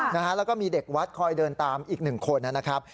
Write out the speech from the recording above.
แล้วก็มีเด็กวัดคอยเดินตามอีกหนึ่งคนนะครับ